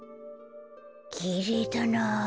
きれいだなあ。